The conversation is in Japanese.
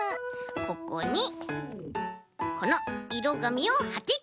ここにこのいろがみをはっていきます。